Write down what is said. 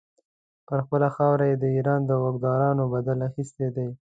پر خپله خاوره یې د ایران د واکدارانو بدل اخیستی دی.